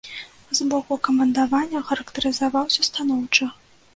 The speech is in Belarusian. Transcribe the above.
З боку камандавання характарызаваўся станоўча.